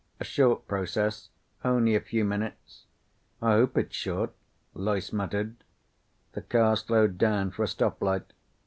"A short process. Only a few minutes." "I hope it's short," Loyce muttered. The car slowed down for a stoplight.